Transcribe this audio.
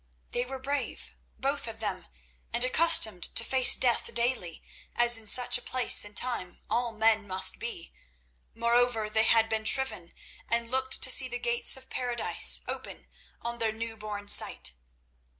They were brave, both of them, and accustomed to face death daily, as in such a place and time all men must be; moreover, they had been shriven, and looked to see the gates of Paradise open on their newborn sight.